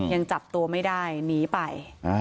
ยังจับตัวไม่ได้หนีไป